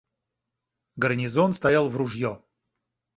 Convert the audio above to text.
Гарнизон стоял в ружье.